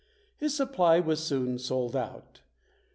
His supply was soon sold out.